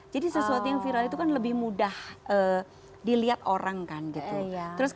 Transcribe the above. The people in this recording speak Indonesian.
jadi sesuatu yang viral itu kan lebih mudah dilihat orang kan gitu